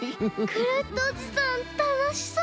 クラフトおじさんたのしそう！